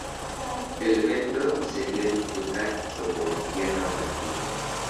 El evento se disputa sobre tierra batida.